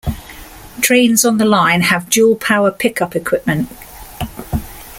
Trains on the line have dual power pick-up equipment.